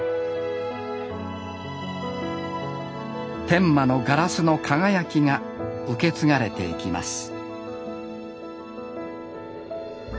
天満のガラスの輝きが受け継がれていきます